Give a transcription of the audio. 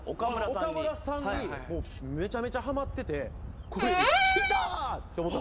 岡村さんにめちゃめちゃはまっててこれきたと思ったんですよ。